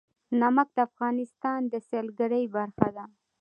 نمک د افغانستان د سیلګرۍ برخه ده.